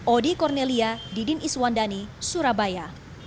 odi cornelia didin iswandani surabaya